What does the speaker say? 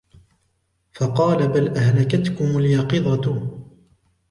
فَقَالَ بَلْ أَهْلَكَتْكُمْ الْيَقِظَةُ